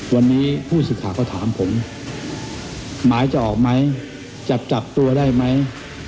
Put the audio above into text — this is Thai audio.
วันนี้ผู้ศีรษะขอถามผมหมายจะออกไหมจับตัวได้ไหม